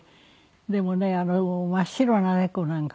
でもね真っ白な猫なんかはね